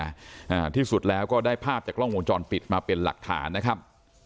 อ่าที่สุดแล้วก็ได้ภาพจากกล้องวงจรปิดมาเป็นหลักฐานนะครับ